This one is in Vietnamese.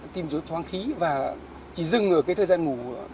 tìm chỗ thoáng khí và chỉ dừng ở cái thời gian ngủ